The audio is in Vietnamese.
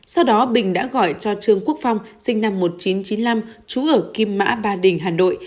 sau đó bình đã gọi cho trương quốc phong sinh năm một nghìn chín trăm chín mươi năm trú ở kim mã ba đình hà nội